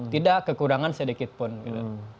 tidak kekurangan sedikitpun gitu